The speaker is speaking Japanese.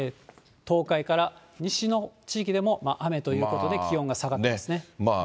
東海から西の地域でも、雨ということで、気温が下がっていますね。